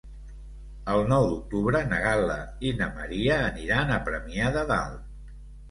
El nou d'octubre na Gal·la i na Maria aniran a Premià de Dalt.